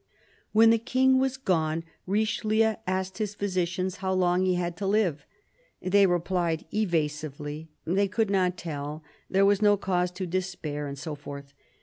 When the King was gone, Richelieu asked his physicians how long he had to live. They replied evasively— they could not tell ; there was no cause to despair, and so forth.